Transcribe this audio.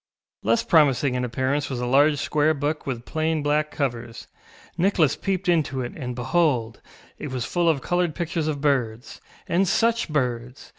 Less promising in appearance was a large square book with plain black covers; Nicholas peeped into it, and, behold, it was full of coloured pictures of birds. And such birds!